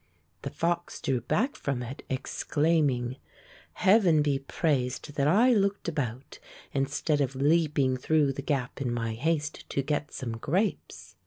The fox drew back from it, exclaiming: "Heaven be praised that I looked about 151 Fairy Tale Foxes instead of leaping through the gap in my haste to get some grapes!